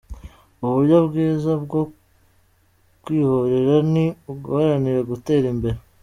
Uburyo bwiza bwo kwihorera ni uguharanira gutera imbere.